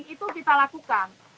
itu kita lakukan